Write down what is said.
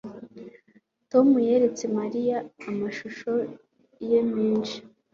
Tom yeretse Mariya amashusho ye menshi